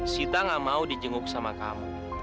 sita nggak mau di jenguk sama kamu